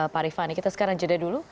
pak rifani kita sekarang jeda dulu